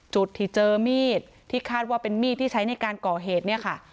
จุดที่เจอมีดที่คาดว่าเป็นมีดที่ใช้ในการก่อเหตุเนี่ยค่ะ